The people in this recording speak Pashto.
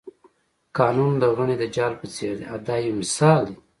قانون د غڼې د جال په څېر دی دا یو مثال دی.